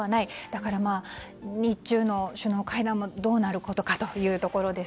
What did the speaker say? だから、日中の首脳会談もどうなることかと。